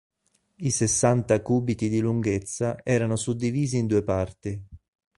I sessanta cubiti di lunghezza erano suddivisi in due parti.